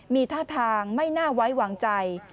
มีท่าทางไม่น่าไว้วางใจ